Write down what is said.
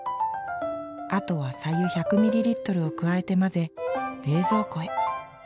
あとは白湯１００ミリリットルを加えて混ぜ冷蔵庫へ。